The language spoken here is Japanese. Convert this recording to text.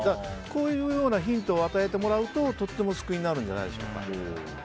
こういうようなヒントを与えてもらうととっても救いになるんじゃないでしょうか。